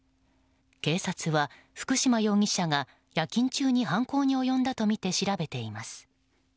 警察は福島容疑者が夜勤中に犯行に及んだとみて調べています。